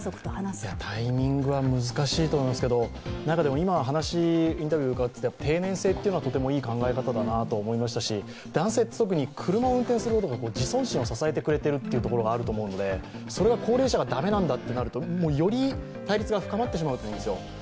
タイミングは難しいと思いますけど、定年制というのは、とてもいい考え方だなと思いますし男性、特に車を運転することは自尊心を支えてくれているというところがあると思うので、それは高齢者でだめなんだってなるとより対立が深まってしまうと思うんですよ。